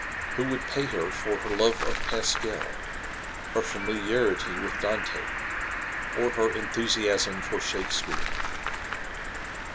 Who would pay her for fter love of Pascal, her fiimiliarity with Dante, or her enthusiasm (or Shakspeare?